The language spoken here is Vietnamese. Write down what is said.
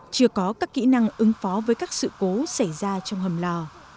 chưa có các kỹ năng ứng phó với các sự cố xảy ra trong hầm lò